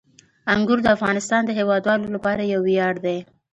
انګور د افغانستان د هیوادوالو لپاره یو ویاړ دی.